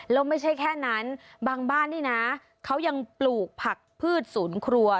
แล้วไม่ใช่แค่นั้นบางบ้านนี่นะเขายังปลูกผักพืชศูนย์ครัว